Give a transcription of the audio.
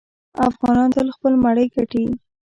افغانان تل خپل مړی ګټي.